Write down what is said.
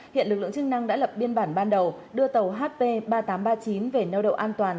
hiện lực lượng chức năng đã lập biên bản ban đầu đưa tàu hp ba nghìn tám trăm ba mươi chín về neo đậu an toàn